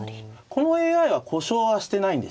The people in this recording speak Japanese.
このＡＩは故障はしてないんですね。